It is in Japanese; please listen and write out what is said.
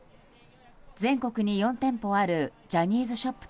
全国に４店舗あるジャニーズショップ